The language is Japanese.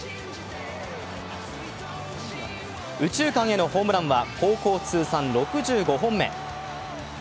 右中間へのホームランは高校通算６５本目。